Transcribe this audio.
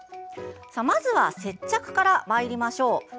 まずは接着からまいりましょう。